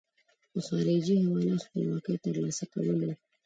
په خارجي حواله خپلواکۍ ترلاسه کول وو.